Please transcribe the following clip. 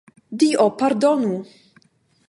Dio pardonu!